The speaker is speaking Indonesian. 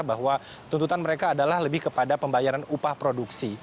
bahwa tuntutan mereka adalah lebih kepada pembayaran upah produksi